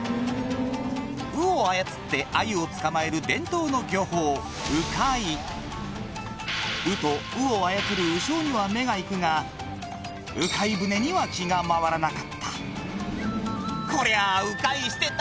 鵜を操って鮎を捕まえる伝統の漁法鵜と鵜を操る鵜匠には目が行くが鵜飼舟には気が回らなかった「こりゃあウカイしてた！」